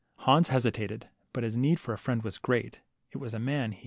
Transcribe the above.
Hans hesitated, but his need for a friend was great, it was a man he had to